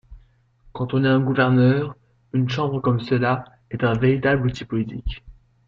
Quand on est un gouverneur, une chambre comme cela est un véritable outil politique.